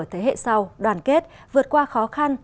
thế hệ sau đoàn kết vượt qua khó khăn